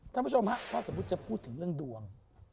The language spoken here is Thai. ท่านผู้ชมฮะถ้าสมมุติจะพูดถึงเรื่องดวง